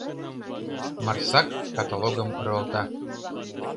Марсак каталогым руалта: